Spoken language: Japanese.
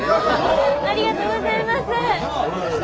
ありがとうございます。